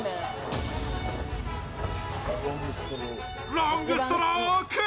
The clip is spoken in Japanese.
ロングストローク！